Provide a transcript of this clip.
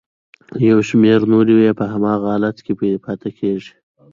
یو شمېر نورې یې په هماغه حالت کې پاتې کیږي.